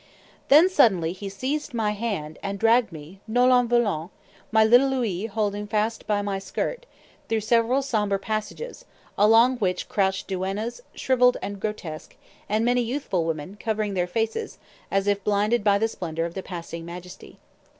Then suddenly he seized my hand, and dragged me, nolens volens, my little Louis holding fast by my skirt, through several sombre passages, along which crouched duennas, shrivelled and grotesque, and many youthful women, covering their faces, as if blinded by the splendor of the passing Majesty.